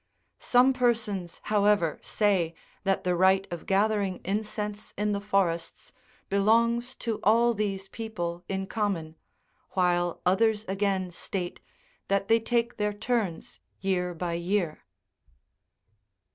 Some persons, however, say, that the right of gathering in cense in the forests belongs to all these people in common, while others again state, that they take their turns year by year.